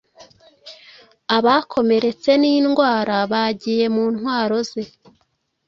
Abakomeretse nindwarabagiye mu ntwaro ze